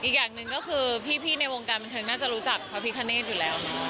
อีกอย่างหนึ่งก็คือพี่ในวงการบันเทิงน่าจะรู้จักพระพิคเนธอยู่แล้ว